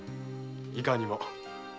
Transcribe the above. いかにも。